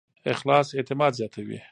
اخلاص اعتماد زیاتوي.